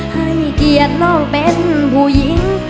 ให้ขี้เเกียจนอกเป็นผู้หญิง